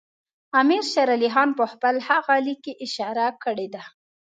امیر شېر علي خان په خپل هغه لیک کې اشاره کړې ده.